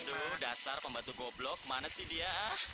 aduh dasar pembantu goblok mana sih dia